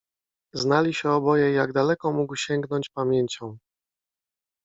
Znali się oboje, jak daleko mógł sięgnąć pamięcią.